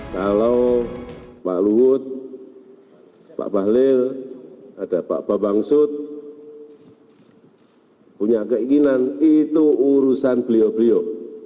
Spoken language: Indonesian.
kalau pak luhut pak bahlil ada pak bambang sut punya keinginan itu urusan beliau beliau